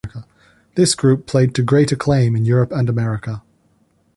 This group played to great acclaim in Europe and America.